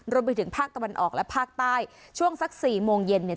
รวมไปถึงภาคตะวันออกและภาคใต้ช่วงสักสี่โมงเย็นเนี่ย